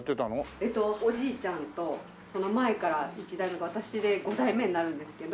えっとおじいちゃんとその前から一代目私で五代目になるんですけど。